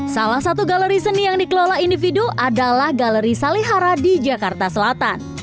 salah satu galeri seni yang dikelola individu adalah galeri salihara di jakarta selatan